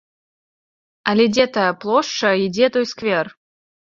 Але дзе тая плошча і дзе той сквер?